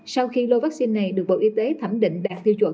sau khi lô vaccine này được bộ y tế thẩm định đạt tiêu chuẩn